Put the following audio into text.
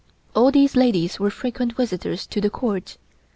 All these ladies were frequent visitors to the Court.